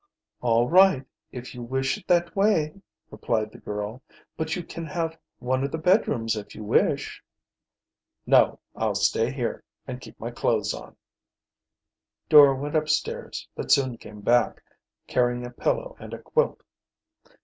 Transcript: "All right, if you wish it that way," replied the girl. "But you can have one of the bedrooms if you wish." "No, I'll stay here, and keep my clothes on." Dora went upstairs, but soon came back, carrying a pillow and a quilt.